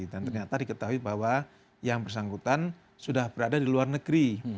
dan ternyata diketahui bahwa yang bersangkutan sudah berada di luar negeri